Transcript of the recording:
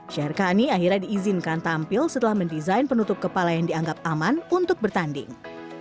syah kani akhirnya diizinkan tampil setelah mendesain penutup kepala yang dianggap aman untuk bertanding